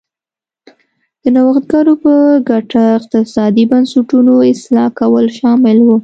د نوښتګرو په ګټه اقتصادي بنسټونو اصلاح کول شامل و.